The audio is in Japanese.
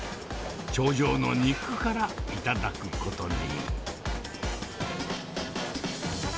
頂上の肉から頂くことに。